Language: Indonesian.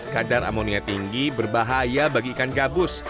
kadar amonia tinggi berbahaya bagi ikan gabus